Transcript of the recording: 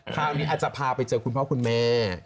คราวนี้อาจจะพาไปเจอคุณพ่อคุณแม่